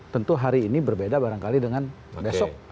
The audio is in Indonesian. tentu hari ini berbeda barangkali dengan besok